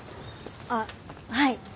あっはい。